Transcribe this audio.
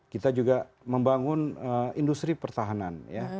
kita juga membangun industri pertahanan